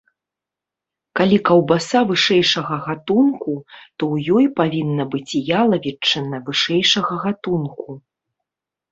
Калі каўбаса вышэйшага гатунку, то ў ёй павінна быць і ялавічына вышэйшага гатунку.